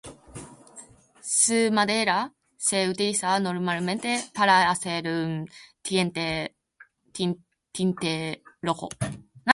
Su madera se utiliza normalmente para hacer un tinte rojo.